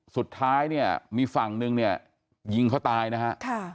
สุดท้ายเนี่ยมีฝั่งนึงเนี่ยยิงเขาตายนะฮะ